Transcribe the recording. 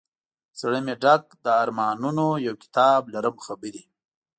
زړه مي ډک له ارمانونو یو کتاب لرم خبري